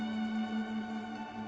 setiap senulun buat